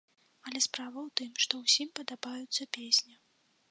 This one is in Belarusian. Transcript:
Але справа ў тым, што ўсім падабаюцца песні.